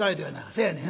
「せやねん。